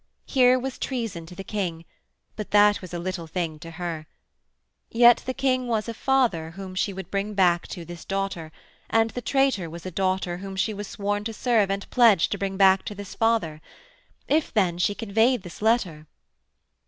Here was treason to the King but that was a little thing to her. Yet the King was a father whom she would bring back to this daughter, and the traitor was a daughter whom she was sworn to serve and pledged to bring back to this father. If then she conveyed this letter....